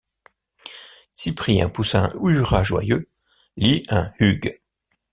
Cyprien poussa un hurrah joyeux, Lî un « hugh!